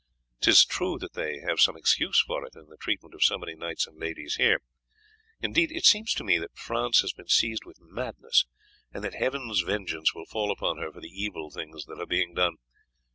'Tis true that they have some excuse for it in the treatment of so many knights and ladies here. Indeed it seems to me that France has been seized with madness, and that Heaven's vengeance will fall upon her for the evil things that are being done.